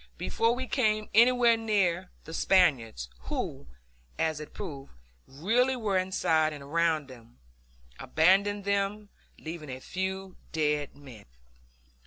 Before we came anywhere near, the Spaniards, who, as it proved, really were inside and around them, abandoned them, leaving a few dead men.